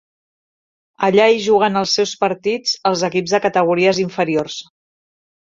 Allà hi juguen els seus partits els equips de categories inferiors.